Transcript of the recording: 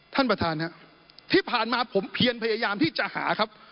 ท่านประธานครับที่ผ่านมาผมเพียนพยายามที่จะหาครับ